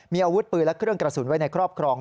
มีอาวุธปืนและเครื่องกระสุนไว้ในครอบครอง